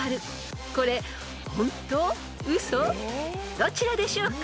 ［どちらでしょうか？］